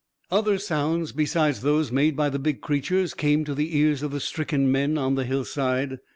Other sounds, besides those made by the big creatures, came to the ears of the stricken men on the hillside.